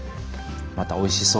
またおいしそう。